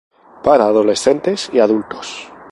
Para adolescentes y adultos.